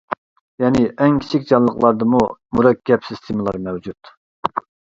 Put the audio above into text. يەنى ئەڭ كىچىك جانلىقلاردىمۇ مۇرەككەپ سىستېمىلار مەۋجۇت.